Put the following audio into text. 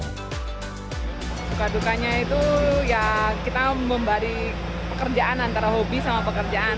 duka dukanya itu ya kita membari pekerjaan antara hobi sama pekerjaan